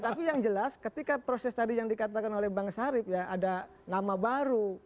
tapi yang jelas ketika proses tadi yang dikatakan oleh bang sarip ya ada nama baru